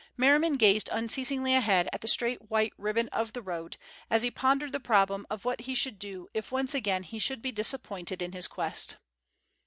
Merriman gazed unceasingly ahead at the straight white ribbon of the road, as he pondered the problem of what he should do if once again he should be disappointed in his quest.